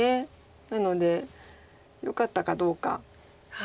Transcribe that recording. なのでよかったかどうか。